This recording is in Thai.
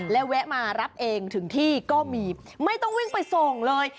และแวะมารับเองถึงที่ก็มีไม่ต้องวิ่งไปส่งเลย